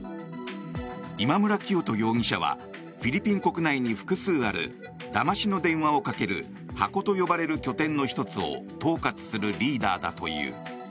今村磨人容疑者はフィリピン国内に複数あるだましの電話をかけるハコと呼ばれる拠点の１つを統括するリーダーだという。